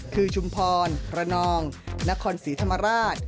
คือชุมพรระนองนครศรีธรรมราช